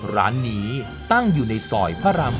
ร้านนี้ตั้งอยู่ในซอยพระราม๓